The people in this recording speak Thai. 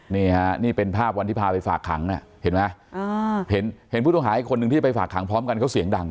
นี่ฮะนี่เป็นภาพวันที่พาไปฝากขังเห็นไหมเห็นผู้ต้องหาอีกคนนึงที่ไปฝากขังพร้อมกันเขาเสียงดัง